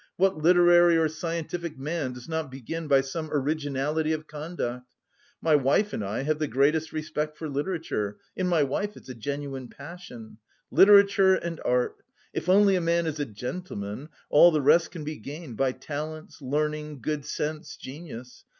What literary or scientific man does not begin by some originality of conduct! My wife and I have the greatest respect for literature, in my wife it's a genuine passion! Literature and art! If only a man is a gentleman, all the rest can be gained by talents, learning, good sense, genius.